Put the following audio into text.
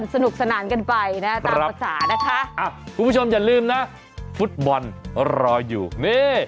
สนุกสนานกันไปนะตามภาษานะคะคุณผู้ชมอย่าลืมนะฟุตบอลรออยู่นี่